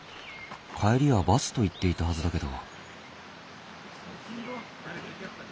「帰りはバス」と言っていたはずだけど。